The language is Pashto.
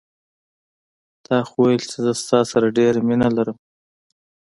تا خو ویل چې زه ستا سره ډېره مینه لرم